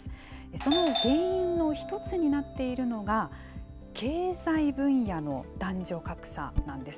その原因の一つになっているのが、経済分野の男女格差なんです。